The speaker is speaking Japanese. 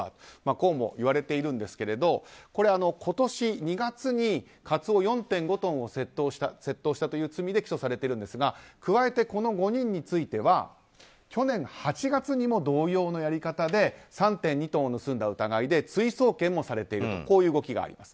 こうもいわれているんですがこれは今年２月にカツオ４．５トンを窃盗した罪で起訴されているんですが加えて、この５人については去年８月にも同様のやり方で３．２トンを盗んだ疑いで追送検もされているという動きがあります。